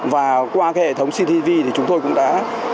và qua hệ thống ctv chúng tôi cũng đã